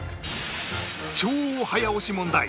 超早押し問題！